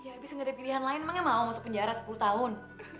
ya abis gak ada pilihan lain emangnya mau masuk penjara sepuluh tahun